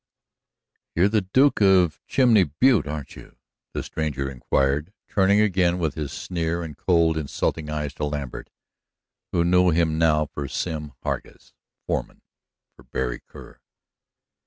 "You're the Duke of Chimney Butte, are you?" the stranger inquired, turning again with his sneer and cold, insulting eyes to Lambert, who knew him now for Sim Hargus, foreman for Berry Kerr.